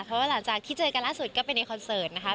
เพราะว่าหลังจากที่เจอกันล่าสุดก็ไปในคอนเสิร์ตนะคะ